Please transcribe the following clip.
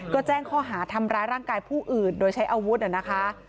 ก็แจ้งข้อหาทำร้ายร่างกายผู้อื่นโดยใช้อาวุธนะคะ